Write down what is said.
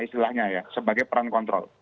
istilahnya ya sebagai peran kontrol